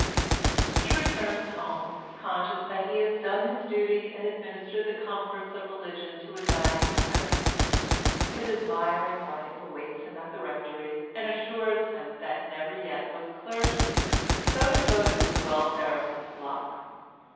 He returns home, conscious that he has done his duty, and administered the comforts of religion to a dying sinner. His admiring wife awaits him at the Rectory, and assures him that never yet was clergyman so devoted to the welfare of his flock.